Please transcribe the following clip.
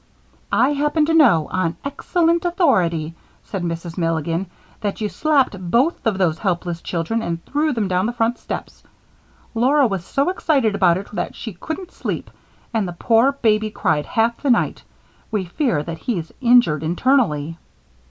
"I happen to know, on excellent authority," said Mrs. Milligan, "that you slapped both of those helpless children and threw them down the front steps. Laura was so excited about it that she couldn't sleep, and the poor baby cried half the night we fear that he's injured internally."